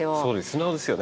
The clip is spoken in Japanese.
素直ですよね。